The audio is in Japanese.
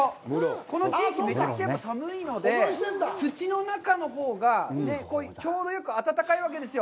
この地域、めちゃくちゃ寒いので、土の中のほうがちょうどよく暖かいわけですよ。